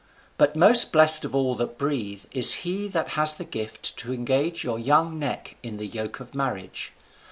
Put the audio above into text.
But most blessed of all that breathe is he that has the gift to engage your young neck in the yoke of marriage.